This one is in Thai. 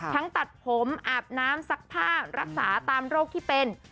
ตัดผมอาบน้ำซักผ้ารักษาตามโรคที่เป็น